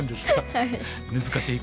はい。